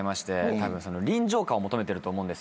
たぶん臨場感を求めてると思うんですよ。